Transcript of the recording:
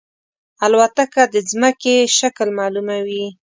الوتکه د زمکې شکل معلوموي.